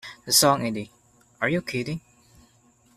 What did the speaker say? The song Eddie, Are You Kidding?